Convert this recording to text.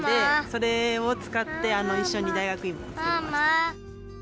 それを使って、一緒に大学芋を作りました。